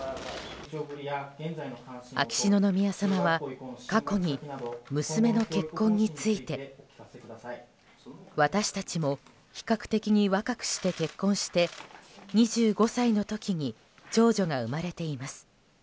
秋篠宮さまは過去に、娘の結婚について。私たちも比較的に若くして結婚して２５歳の時に長女が生まれています。